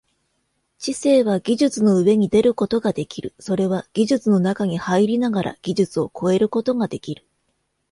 知性は技術の上に出ることができる、それは技術の中に入りながら技術を超えることができる。